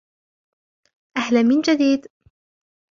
أهلا من جديد.